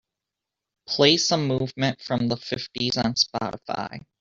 play some movement from the fifties on Spotify